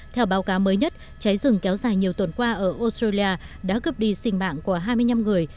theo báo cáo mới nhất cháy rừng kéo dài nhiều tuần qua ở australia đã cướp đi sinh mạng của hai mươi năm người